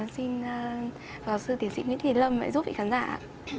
xin vào sư tiến sĩ nguyễn thị lâm lại giúp vị khán giả ạ